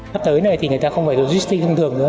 sắp tới này thì người ta không phải logistic thông thường nữa